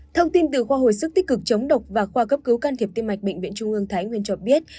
thông tin từ khoa hồi sức tích cực chống độc và khoa cấp cứu can thiệp tim mạch bệnh viện trung ương thái nguyên cho biết